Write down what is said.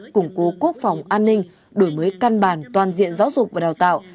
củng cố quốc phòng an ninh đổi mới căn bản toàn diện giáo dục và đào tạo